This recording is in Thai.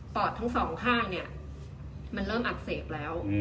ปอดทั้ง๒ข้างมันเริ่มอักเสบแล้ว